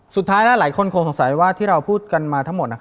สุดท้ายแล้วหลายคนคงสงสัยว่าที่เราพูดกันมาทั้งหมด